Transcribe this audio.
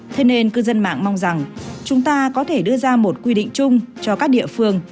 thế nên cư dân mạng mong rằng chúng ta có thể đưa ra một quy định chung cho các địa phương